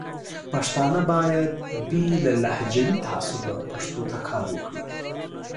پښتانه باید بې له لهجوي تعصبه پښتو ته کار وکړي.